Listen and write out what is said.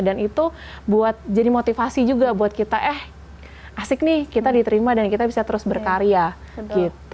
dan itu buat jadi motivasi juga buat kita eh asik nih kita diterima dan kita bisa terus berkarya gitu